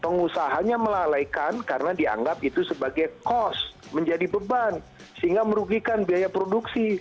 pengusahanya melalaikan karena dianggap itu sebagai cost menjadi beban sehingga merugikan biaya produksi